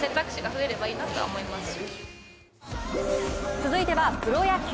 続いてはプロ野球。